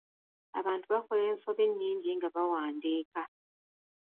Abantu bakola ensobi nyingi nga bawandiika.